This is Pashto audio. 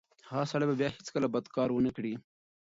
هغه سړی به بیا هیڅکله بد کار ونه کړي.